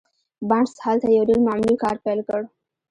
بارنس هلته يو ډېر معمولي کار پيل کړ.